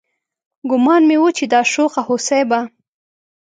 ګومان مې و چې دا شوخه هوسۍ به